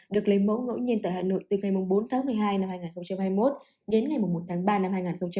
được lấy mẫu ngẫu nhiên tại hà nội từ ngày bốn tháng một mươi hai năm hai nghìn hai mươi một đến ngày một tháng ba năm hai nghìn hai mươi